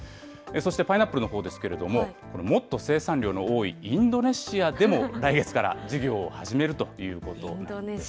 そして、パイナップルのほうですけれども、もっと生産量の多いインドネシアでも来月から事業を始めるということなんです。